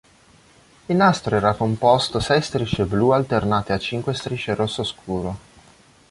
Il nastro era composto sei strisce blu alternate a cinque strisce rosso scuro.